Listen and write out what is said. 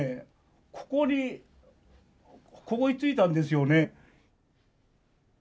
ここにここに着いたんですよね。